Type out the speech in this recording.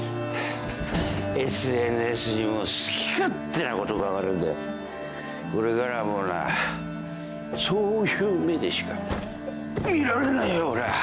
ＳＮＳにも好き勝手なこと書かれてこれからはもうなそういう目でしか見られねえよ俺は。